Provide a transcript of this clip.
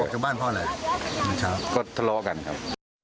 ชาวบ้านเพราะอะไรเมื่อเช้าก็ทะเลาะกันครับ